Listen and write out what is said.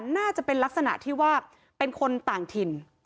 น่าจะเป็นลักษณะที่ว่าเป็นคนต่างถิ่น